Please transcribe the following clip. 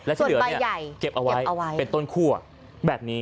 และที่เหลือเนี่ยเก็บเอาไว้เป็นต้นคั่วแบบนี้